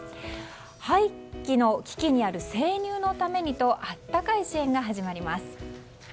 廃棄の危機にある生乳のためにと温かい支援が始まります。